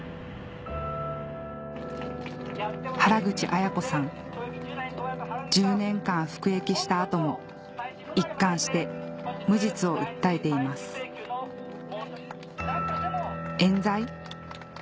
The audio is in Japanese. しかし１０年間服役した後も一貫して無実を訴えています冤罪？